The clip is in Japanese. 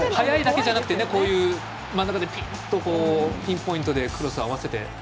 速いだけじゃなくてこういう真ん中でピンポイントでクロスにあわせて。